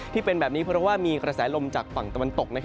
ที่เป็นแบบนี้เพราะว่ามีกระแสลมจากฝั่งตะวันตก